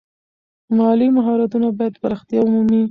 مالي مهارتونه باید پراختیا ومومي.